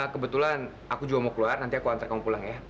kebetulan aku juga mau keluar nanti aku antar kamu pulang ya